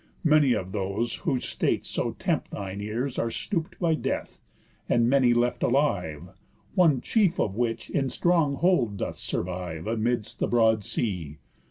Many of those, whose states so tempt thine ears, Are stoop'd by death, and many left alive, One chief of which in strong hold doth survive, Amidst the broad sea.